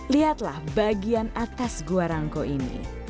lihatlah bagian atas gua rangku ini